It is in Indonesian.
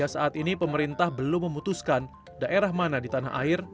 saat ini pemerintah belum memutuskan daerah mana di tanah air